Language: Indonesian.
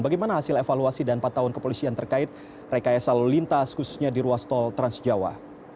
bagaimana hasil evaluasi dan pantauan kepolisian terkait rekayasa lalu lintas khususnya di ruas tol transjawa